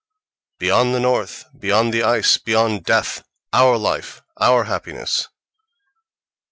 Beyond the North, beyond the ice, beyond death—our life, our happiness....